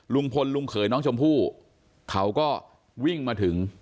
ลุงพลลุงเขยน้องชมพู่เขาก็วิ่งมาถึง